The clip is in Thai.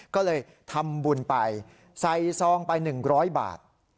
ก็เลยทำบุญไปใส่ซองไปหนึ่งร้อยบาท